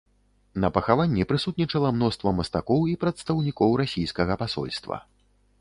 На пахаванні прысутнічала мноства мастакоў і прадстаўнікоў расійскага пасольства.